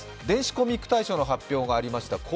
電子コミック大賞の発表がありました。